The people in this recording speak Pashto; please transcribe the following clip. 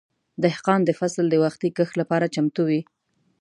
دهقان د فصل د وختي کښت لپاره چمتو وي.